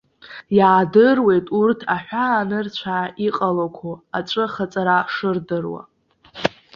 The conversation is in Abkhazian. Иаадыруеит урҭ аҳәаанырцәаа иҟалақәо аҵәы ахаҵара шырдыруа.